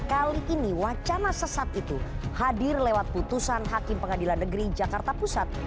kali ini wacana sesat itu hadir lewat putusan hakim pengadilan negeri jakarta pusat